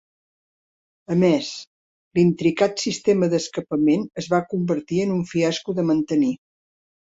A més, el intricat sistema d'escapament es va convertir en un fiasco de mantenir.